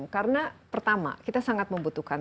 karena pertama kita sangat membutuhkan